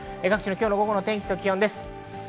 今日の午後の天気と気温です。